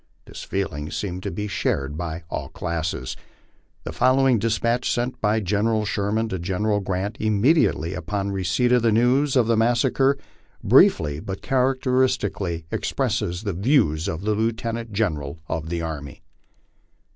Tnis feeling seemed to be shared by all classes. The following despatch, sent by General Sherman to General Grant, immediately upon receipt of the news of the massacre, briefly but characteristically ex presses the views of the Lieutenaut General of the Army ST.